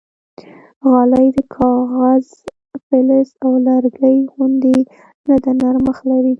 غالۍ د کاغذ، فلز او لرګي غوندې نه ده، نرمښت لري.